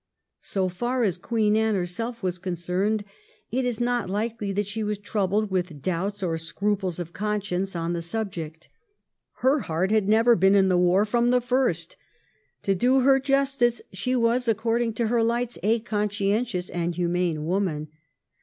So far as Queen Anne herself was concerned it is not likely that she was troubled with doubts or scruples of conscience on the subject. Her heart had never been in the war from the first. To do her justice she was, according to her lights, a conscientious and humane woman.